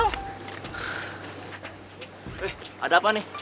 wih ada apa nih